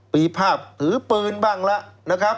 ปีภาพถือปืนบ้างแล้วนะครับ